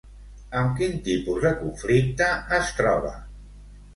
Amb quin tipus de conflicte es troba?